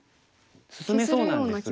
進めそうなんですが。